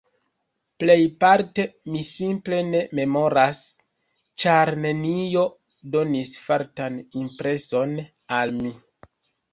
Plejparte mi simple ne memoras, ĉar nenio donis fortan impreson al mi.